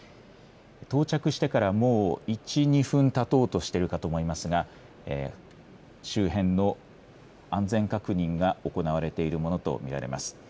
到着してからもう１、２分たとうとしているかと思いますが、周辺の安全確認が行われているものと見られます。